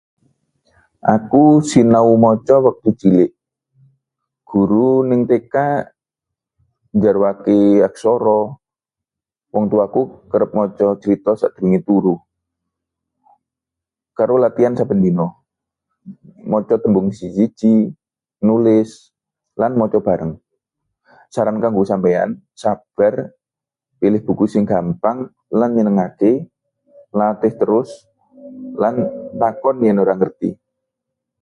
Aku sinau maca wektu cilik. Guru ning TK njarwakke aksara, wong tuwaku kerep maca crita sadurunge turu. Karo latihan saben dina: maca tembung siji-siji, nulis, lan maca bareng. Saran kanggo sampeyan: sabar, pilih buku sing gampang lan nyenengake, latih terus, lan takon yen ora ngerti.